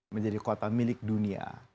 menjadi kota milik dunia